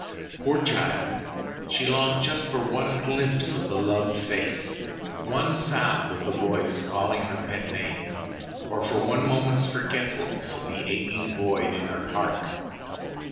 Poor child, she longed just for one glimpse of the loved face, one sound of the voice calling her pet name, or for one moment's forgetfulness of the aching void in her heart.